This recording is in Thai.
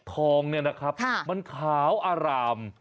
ทองเนี่ยนะครับมันขาวอาราม